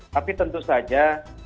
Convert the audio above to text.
tapi tentu saja